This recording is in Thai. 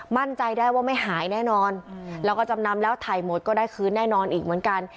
มั่นใจได้ว่าไม่หายแน่นอนแล้วก็จำนำแล้วถ่ายหมดก็ได้คืนแน่นอนอีกเหมือนกัน